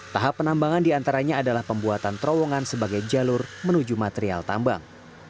tahap penambangan diantaranya adalah pembuatan terowongan sebagai jalur menuju material tambang